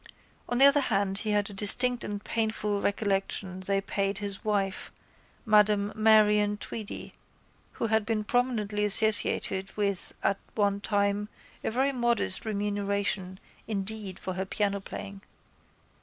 On the other hand he had a distinct and painful recollection they paid his wife, Madam Marion Tweedy who had been prominently associated with it at one time, a very modest remuneration indeed for her pianoplaying.